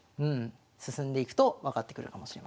進んでいくと分かってくるかもしれません。